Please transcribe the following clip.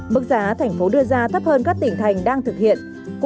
mức giá thành phố đưa ra thấp hơn các tỉnh thành đang thực hiện